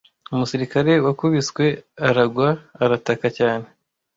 umusirikare wakubiswe aragwa arataka cyane